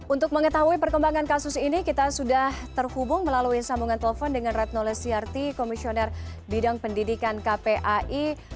untuk mengetahui perkembangan kasus ini kita sudah terhubung melalui sambungan telepon dengan retno lesiarti komisioner bidang pendidikan kpai